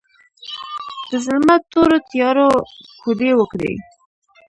د ظلمت تورو تیارو، کوډې وکړې